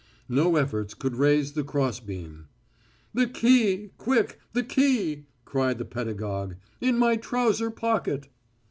No efforts could raise the cross beam. "The key! Quick, the key!" cried the pedagogue. "In my trouser pocket."